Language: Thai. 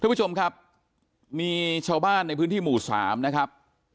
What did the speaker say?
คุณผู้ชมครับมีชาวบ้านในพื้นที่หมู่สามนะครับ